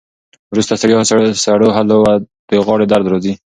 وروسته ستړیا، سړو وهلو او د غاړې درد راځي.